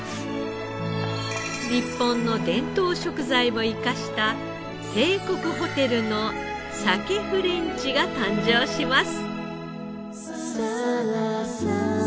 日本の伝統食材を生かした帝国ホテルのサケフレンチが誕生します。